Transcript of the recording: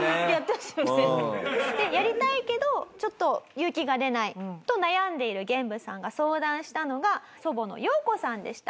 そしてやりたいけどちょっと勇気が出ないと悩んでいるゲンブさんが相談したのが祖母のヨウコさんでした。